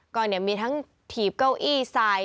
ก็มีทั้งถีบเก้าอี้ใส่